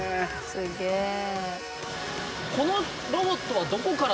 すげえな！